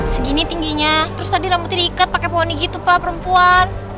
segini tingginya terus tadi rambutnya diikat pakai pohoni gitu pak perempuan